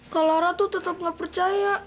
kak laura tuh tetap gak percaya